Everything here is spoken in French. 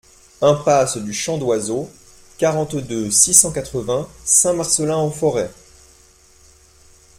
Impasse du Chant d'Oiseau, quarante-deux, six cent quatre-vingts Saint-Marcellin-en-Forez